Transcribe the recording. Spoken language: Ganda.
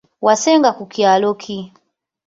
Wasenga ku kyalo ki?